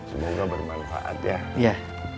semoga bermanfaat ya